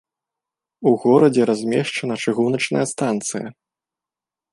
У горадзе размешчана чыгуначная станцыя.